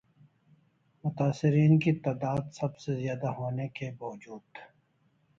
متاثرین کی تعداد سب سے زیادہ ہونے کے باوجود